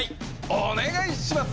お願いします！